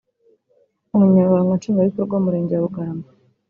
Umunyamabanga Nshingwabikorwa w’Umurenge wa Bugarama